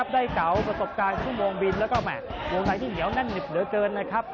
แล้วก็แหมะวงใดที่เหนียวนั่นหนึบเหลือเกินนะครับ